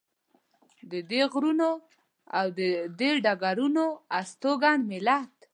د دې غرونو او دې ډګرونو هستوګن ملت.